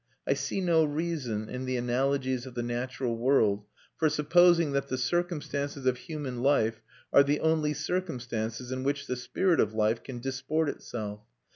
I see no reason, in the analogies of the natural world, for supposing that the circumstances of human life are the only circumstances in which the spirit of life can disport itself.